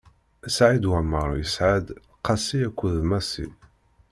Saɛid Waɛmeṛ yesɛa-d: Qasi akked Massi.